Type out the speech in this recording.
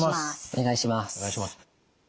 お願いします。